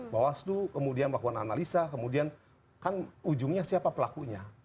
bawaslu kemudian melakukan analisa kemudian kan ujungnya siapa pelakunya